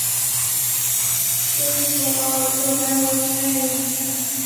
These were all propeller planes.